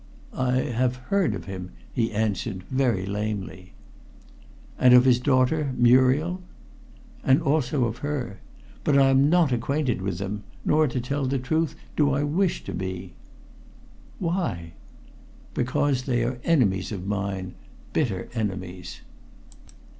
"I have heard of him," he answered very lamely. "And of his daughter Muriel?" "And also of her. But I am not acquainted with them nor, to tell the truth, do I wish to be." "Why?" "Because they are enemies of mine bitter enemies."